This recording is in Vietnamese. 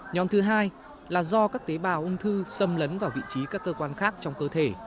nhóm thứ hai là do các tế bào ung thư xâm lấn vào vị trí các cơ quan khác trong cơ thể